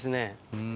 うん。